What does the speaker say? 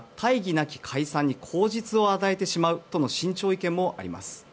なき解散に口実を与えてしまうとの慎重意見もあります。